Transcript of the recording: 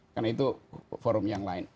karena itu forum yang lain